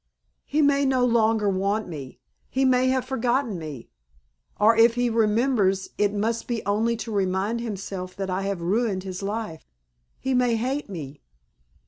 "He may no longer want me. He may have forgotten me. Or if he remembers it must only be to remind himself that I have ruined his life. He may hate me."